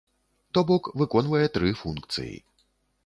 То бок, выконвае тры функцыі.